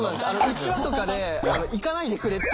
うちわとかで「行かないでくれ」っていうのが。